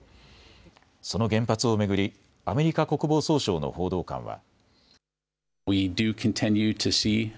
その原発を巡りアメリカ国防総省の報道官は。